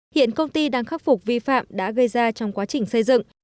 hiện công ty đang khắc phục vi phạm đã gây ra trong quá trình xây dựng